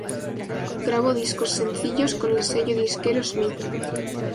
Grabó discos sencillos con el sello disquero Smith.